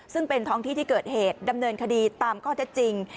ซึ่งเป็นท้องที่ที่เกิดเหตุดำเนินคดีตามข้อเท็จจริง